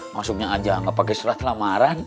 masuknya aja nggak pakai surat lamaran